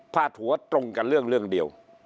พาดหัวตรงกับเรื่องเดียว